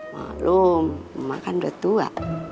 mak lo makan dua dua